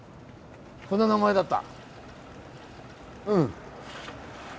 こんな名前だった。